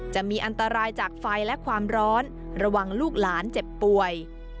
จะมีอันตรายจากไฟและความร้อนระวังลูกหลานเจ็บป่วย